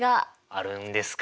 あるんですか？